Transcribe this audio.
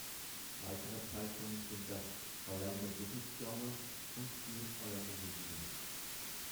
Weitere Zeitungen sind das "Orlando Business Journal" und die "Orlando Weekly".